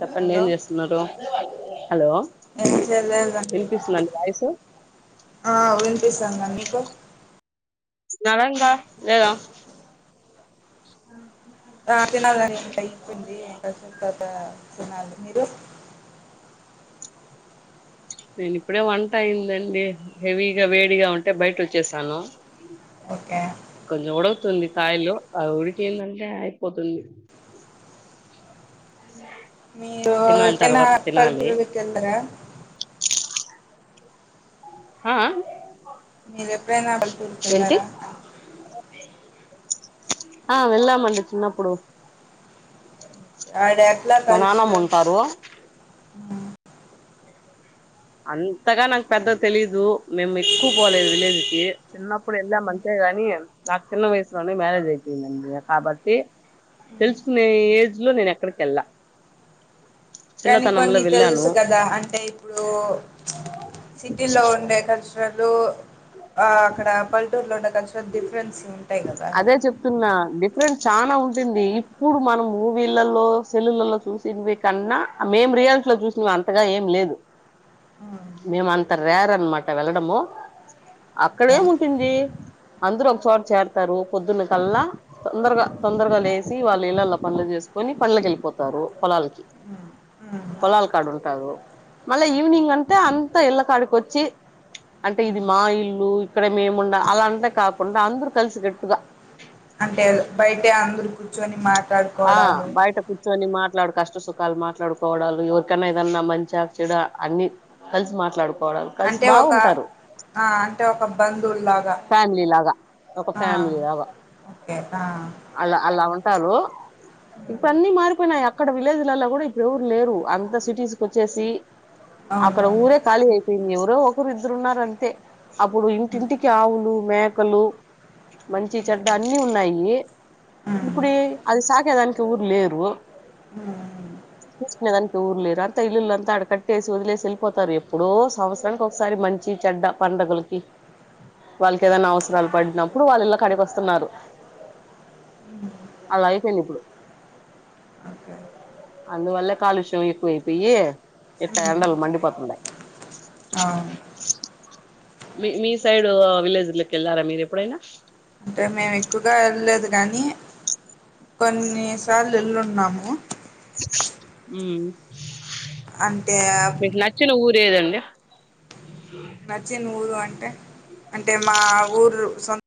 చెప్పండి హలో ఏం చేస్తున్నారు హలో ఏం చేయలేదండి వినిపిస్తుందా అండి వాయిసు ఆ వినిపిస్తాంది మీకు వస్తానడంట లేద ఆ రాత్రి నాదారింతై ఇచ్చింది ఇంత కసుం క ఇంక తినాలి మీరు నేను ఇప్పుడే వంట అయిందండి హెవీగా వేడిగా ఉంటే బయట ఉంచ్చేసాను ఓకే కొంచెం ఉడు తుంది కాయిలో ఆ ఉడికి దంటే అయిపోతుంది మీరు తినాలి ఎప్పుడైన తర్వాత తినాలి పల్లెటూరికెళ్ళర ఆ ఆ మీరు ఎప్పుడైన పల్లెటూరికి ఎళ్ళరా ఆ వెళ్ళమండి చిన్నప్పుడు ఆడ ఎట్ల మా నానమ్మ కల్చరల్స్ ఉంటారు అంతగా నాకు పెద్ద తెలీదు మేము ఎక్కువ పోలేదు విలేజ్కి చిన్నప్పుడు వెళ్ళాము అంతే కాని నాకు చిన్న వయసులోనే మ్యారేజ్ అయిపోయిందండి కాబట్టి తెలుసుకునే ఏజ్ లో నేను అక్కడికి ఎళ్ళా కానీ కొన్ని తెలుసు కదా అంటే ఇప్పుడు సిటీ లో ఉండే కల్చర్లు ఆ అక్కడ పల్లెటూరులో ఉండే కల్చర్ డిఫరెన్స్ ఉంటాయి కదా చాలా ఉంటుంది ఇప్పుడు మనం మూవీలలో సెల్లులలో చూసిన్వి కన్నా మేం రియాల్ లో చూసిన అంతగా ఏం లేదు మేమ అంత రేర్ అన్నమాట వెళ్ళడము అక్కడ ఏముంటుంది అందరు ఒక చోట చేరతారు పొద్దున్న కల్లా తొందరగా తొందరగా లేసి వాళ్ళ ఇళ్లలో పనులు చేసు కొని పన్లుకి ఎళ్ళిపోతారు పొలాలకి ఓకే పొలాల కాడ ఉంటారు మళ్ళీ ఓకే ఈవినింగ్ అంత అంతా ఇళ్ల కాడికొచ్చి అంటే ఇది మా ఇల్లు ఇక్కడ మేము ఉండ అలా అంత కాకుండా అందరు కలిసి గట్టుగా అంటే బయటే అందరు కూర్చొని మా ఆ బయట కూర్చుని మా ట్లాడు కష్ట సుఖాలు మాట్లాడుకోవడాలు ఎవరికైన్నా ఏదన్నా మంచి చెడా అన్ని కలిసి మాట్లాడు కోడం కలిసి అంటే ఒక బావుంటారు ఆ అంటే ఒక బంధువులాగ ఫ్యామిలీ లాగా ఒక ఆ ఫ్యామిలీ లాగా ఓకే ఆ తరో ఇప్పుడు అన్నీ మారిపోయినాయ అక్కడ విలేజ్లలో కూడా ఇప్పుడెవరు లేరు అంత సిటీస్ కు వచ్చేసి అక్కడ అవునవును ఊరే ఖాళీ అయిపోయింది ఎవరో ఒకరు ఇద్దరు ఉన్నారు అంతే అప్పుడు ఉమ్, ఇంటింటికి ఆవులు మేకలు మంచి చెడ్డ అన్ని ఉన్నాయి ఉమ్, ఇప్పుడీ అది సాగేదానికి ఎవరు లేరు అ చూసుకునే దానికి ఎవరు లేరు అంతా ఇల్లులు అంతా అడకట్టేసి వదిలేసి వెళ్ళిపోతారు ఎప్పుడో సంవత్సరానికి ఒకసారి మం చి చెడ్డ పండగలకి వాళ్ళకి ఏదన్నా అవసరాలు పడినప్పుడు వాళ్ళు ఇళ్ళ కాడికి వస్తున్నారు అలా అయిపోయింది ఇప్పుడు అ అందువల్ల కాలుష్యం ఎక్కువైపోయి ఇట్ట ఉమ్, ఎండలు మండిపోతుండయ్ అవును మీ మీ సైడ్ విలేజ్లకి ఎళ్ళారా మీరు ఎప్పుడైనా అంటే మేము ఎక్కువగా వెళ్ళలేదు కాగానీ కొన్నిసార్లు ఎల్లుంట నామ ఉ అంటే ఊరు ఏదండి నచ్చిన ఊరు అంటే అంటే మా ఊరు సొంత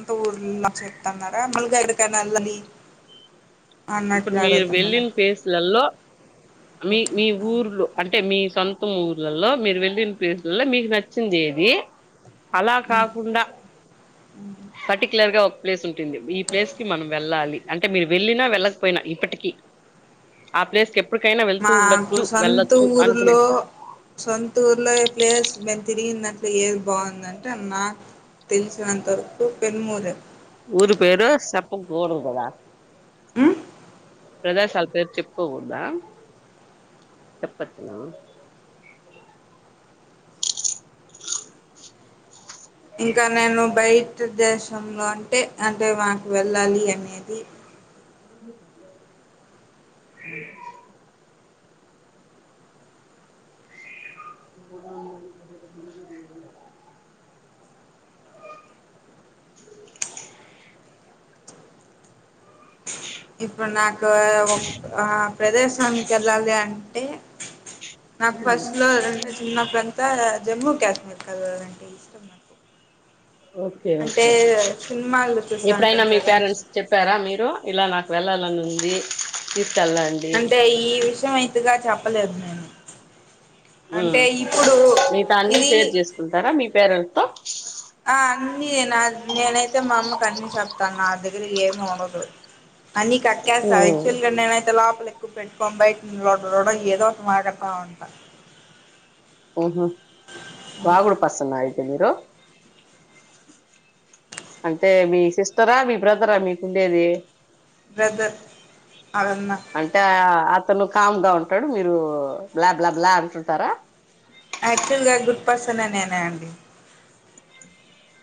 అంత ఊర్లా చెప్తన్నారా మల్గాడు కనాల్ని ఇప్పుడు మీరు వెళ్ళిన పేస్లలో మీ ఓకే. మీ ఆ ఊర్లో అ అంటే మీ సొంత ఊర్లలో మీరు వెళ్ళిన ప్లేసులలో మీకు నచ్చింది ఏది అలా ఉమ్ కాకుండా పర్టిక్యులర్ గా ఒక ప్లేస్ ఉంటుంది ఈ ప్లేస్ కి మనం వెళ్ళాలి అంటే మీరు వెళ్ళినా వెళ్ళకపోయినా ఇప్పటికి ఆ ప్లేస్ [unintelligible] వెళ్తూ మాకు ఉండొచ్చు సొంత వెళ్ళొచ్చు అనుకునే ఊర్లో సొంత ఊర్లో ప్లేయర్స్ మన్ తిందను ఏది బాగుందంటే నాకు తెలిసినంత వరకు పెన్మూరే గోడుదదా ఉమ్ ప్రజా సాల్ప చెప్పుకోబందా చెప్పత్నా అ ఇంకా నేను బయట దేశంలో అంటే అంటే మాకు వెళ్ళాలి అనేది పో కే ఇప్పుడు నాకు ఒక ఆ ప్రదేశానికి వెళ్ళాలి అంటే నాకు ఫస్ట్ లో అంటే చిన్నప్పుడు ఎంత జమ్మ ఆధ్యాత్మిక కదాలంటే ఇష్టం నాకు ఓకే అంటే ఓకే సినిమాలు చూస్తా ఎప్పుడైనా ఉంటాను మీ కదా పేరెంట్స్ చెప్పారా మీరు ఇలా నాకు వెళ్ళాలని ఉంది తీసుకెళ్ళండి అంటే ఈ విషయం అయితుగా చెప్పలేదు నేను అంటే ఉమ్ ఇప్పుడు మీతో అన్ని ఇది షేర్ చేసుకుంటారా మీ పేరెంట్స్ తో ఆ అన్ని నేను నేనైతే మా అమ్మకు అన్నీ చెప్తాను నాదిగ ఏంనదు అని కక్కాల్ ఉమ్, కయితే లోలాపల పెట్టుకోం బయటి రడ్ రోడ ఏదో ఒక మాలాడతా ఉంట ఉఊహ రగుడు పసన్న అయితేనిరు అంటే మీ సిస్టరా మీ బ్రదరా మీకు ఉండేది బ్రదర్ అదన్నా అంటే అతను కామ్ గా ఉంటాడు మీరు బ్లా బ్లా బ్లా అంటుంటారా యాక్చువల్ గా గుడ్ పర్సన్నేనా అండి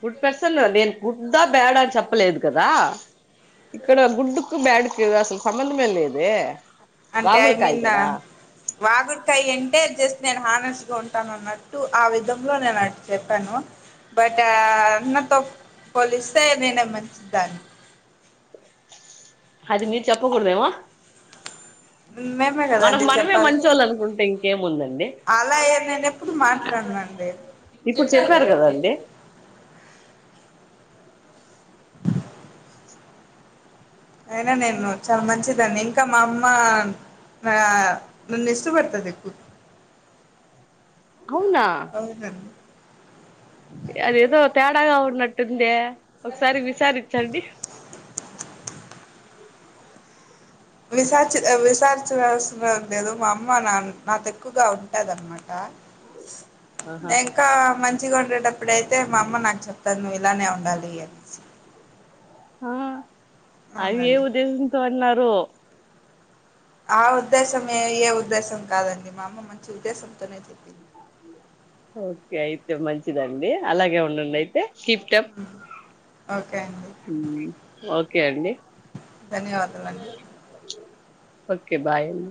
గుడ్ పర్సన్ నేను గుడ్ దా బ్యాడ్ అని చెప్పలేదు కదా ఇక్కడ గుడ్డుకు బ్యాడ్కి అసలు సంబంధమే లేద అంటే ఐ మీన్ వాగుడ్కాయ ఎంటే జస్ట్ నేను హాన ఉంటాను అన్నట్టు ఆ విధంలో నేను అటు చెప్పాను బట్ అన్నతో పోలిస్తే నేనే మంచిదాన్ని అది మీరు చెప్పకూడదవా మేమే మనకు కదండి మనమే చెప్పాలి మంచోళ్ళు అనుకుంటే ఇంకేముందండి అలా నేను ఎప్పుడు మాట్లాడినండి అే ఇప్పుడు చెప్పారు కదండి అయినా నేను చాలా మంచిదన్ని ఇంకా మా అమ్మ నా నన్ను ఇష్టపడతది ఎక్కువగా అవునా అవున అదేదో తేడాగా ఉన్నట్టుందే ఒకసారి విచారించండి అ విసార్చి విసార్చినవసరం లేదు మా అమ్మ నా నాతో ఎక్కువగా ఉంటదన్నమాట ఆహా. ఇంకా మంచిగ ఉండేటప్పుడుయితే మా అమ్మ నాకు చెప్తాది నువ్ ఇట్లానే ఉండాలి అనిసి ఆ అవి ఏ అవునండి ఉద్దేశంతో అన్నారు ఆ ఉద్దేశం ఏ యే ఉద్దేశం కాదండి మా అమ్మ మంచి ఉద్దేశంతోనే చె ఓకే అయితే మంచిదండి అలాగే ఉండండి అయితే కీప్డప్ ఓకే అండి ఓకే అండి ధన్యవాదాలండి ఓకే బాయ్ అమ్మ